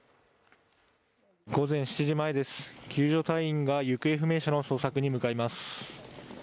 午前７時前です救助隊員が行方不明者の捜索に向かいます